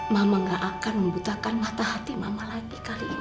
mama gak akan membutakan mata hati mama lagi kali ini